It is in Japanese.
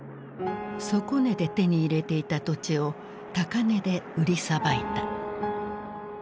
底値で手に入れていた土地を高値で売りさばいた。